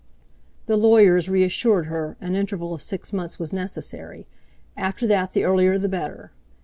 The lawyers reassured her, an interval of six months was necessary—after that the earlier the better.